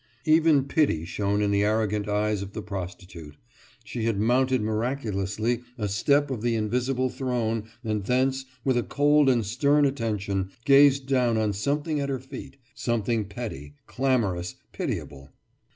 Even pity shone in the arrogant eyes of the prostitute; she had mounted miraculously a step of the invisible throne and thence, with a cold and stern attention, gazed down on something at her feet something petty, clamorous, pitiable.